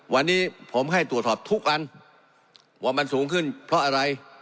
วันนี้ผมให้ตรวจสอบทุกอันว่ามันสูงขึ้นเพราะอะไร